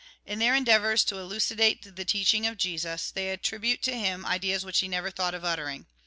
In their endeavours to elucidate the teaching of Jesus, they attribute to him ideas which he never thought of uttering.